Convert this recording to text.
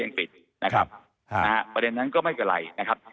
ในประเทศอังกฤษประเด็นนั้นก็ไม่อย่างไร